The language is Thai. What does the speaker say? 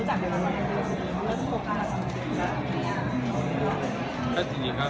คนบอกว่าเมื่อกี้เรารู้จักกันมากมาย